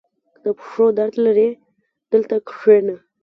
• د پښو درد لرې؟ دلته کښېنه.